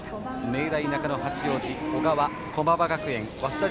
明大中野八王子、小川、駒場学園早稲田